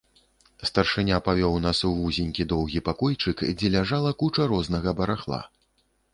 Старшыня павёў нас у вузенькі, доўгі пакойчык, дзе ляжала куча рознага барахла.